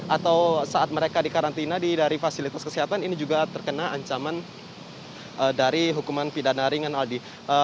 atau saat mereka dikarantina dari fasilitas kesehatan ini juga terkena ancaman dari hukuman pidana ringan aldi